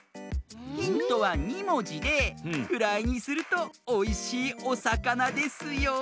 ヒントは２もじでフライにするとおいしいおさかなですよ。